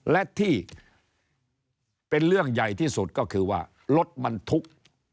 และที่เป็นเรื่องใหญ่ที่สุดก็คือว่ารถบรรทุก